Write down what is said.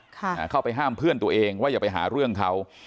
เข้าไปห้ามเพื่อนตัวเองว่าอย่าไปหาเรื่องเขา